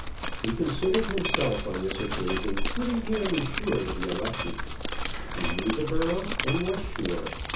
He considered himself on this occasion pretty nearly sure to be elected. He knew the borough and was sure.